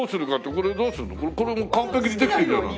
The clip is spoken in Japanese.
これもう完璧にできてるじゃない。